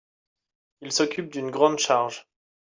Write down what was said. Il s'occupe d'une grande charge.